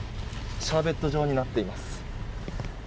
シャーベット状になっています。